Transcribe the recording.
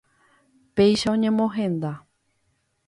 Péicha oñemohenda.